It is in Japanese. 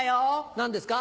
何ですか？